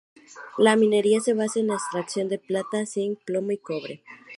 La minería se basa en la extracción de plata, zinc, plomo y cobre.